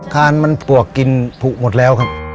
คานมันปวกกินผูกหมดแล้วครับ